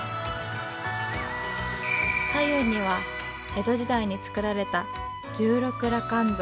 左右には江戸時代に造られた十六羅漢像。